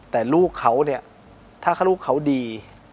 แต่ลูกเขาเนี่ยถ้าลูกเขาดี